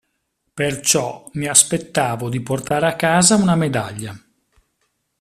Perciò mi aspettavo di portare a casa una medaglia.